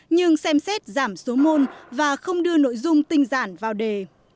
nhưng xem xét giảm số môn và không đưa nội dung tinh giản vào đề